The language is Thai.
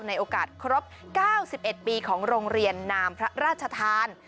ในโอกาสครบ๙๑ปีของโรงเรียนนามพระราชทาน